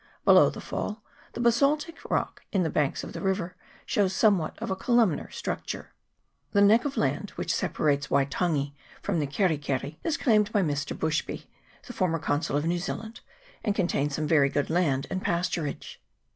Below the fall the basaltic rock in the banks of the river shows somewhat of a columnar structure. The neck of land which separates Waitangi from the Keri keri is claimed by Mr. Bushby, the former consul of New Zealand, and contains some very good land and pasturage.